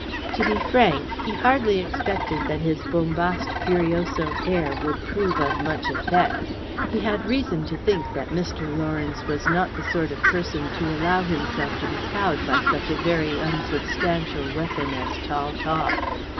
To be frank, he hardly expected that his Bombastes Furioso air would prove of much effect. He had reason to think that Mr. Lawrence was not the sort of person to allow himself to be cowed by such a very unsubstantial weapon as tall talk.